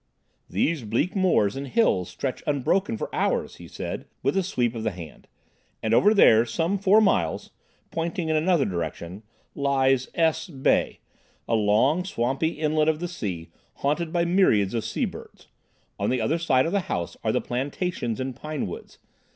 "Those bleak moors and hills stretch unbroken for hours," he said, with a sweep of the hand; "and over there, some four miles," pointing in another direction, "lies S—— Bay, a long, swampy inlet of the sea, haunted by myriads of seabirds. On the other side of the house are the plantations and pine woods.